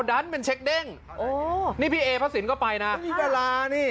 ดันเป็นเช็คเด้งโอ้นี่พี่เอพระสินก็ไปนะนี่ก็ลานี่